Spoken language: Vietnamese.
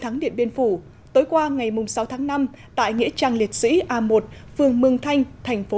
thắng điện biên phủ tối qua ngày sáu tháng năm tại nghĩa trang liệt sĩ a một phường mương thanh thành phố